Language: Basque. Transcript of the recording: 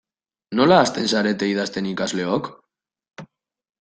Nola hasten zarete idazten ikasleok?